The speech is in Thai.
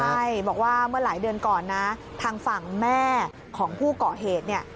ใช่บอกว่าเมื่อหลายเดือนก่อนนะทางฝั่งแม่ของผู้เกาะเหตุเนี่ย